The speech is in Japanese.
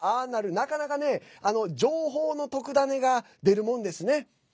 なかなかね情報の特ダネが出るものですね。